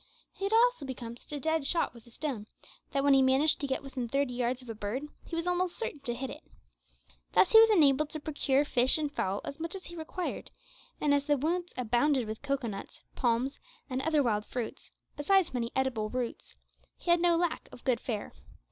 He had also become such a dead shot with a stone that when he managed to get within thirty yards of a bird, he was almost certain to hit it. Thus he was enabled to procure fish and fowl as much as he required and as the woods abounded with cocoa nuts, plums, and other wild fruits, besides many edible roots, he had no lack of good fare.